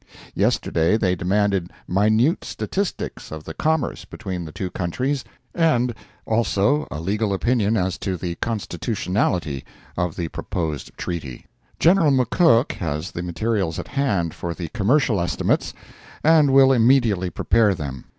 Yesterday they demanded minute statistics of the commerce between the two countries, and also a legal opinion as to the constitutionally of the proposed treaty. Gen. McCook has the materials at hand for the commercial estimates, and will immediately prepare them.